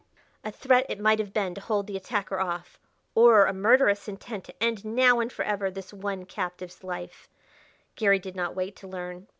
A threat, it might have been, to hold the attacker off, or a murderous intent to end now and forever this one captive's life: Garry did not wait to learn.